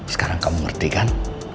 sekarang kamu ngerti kan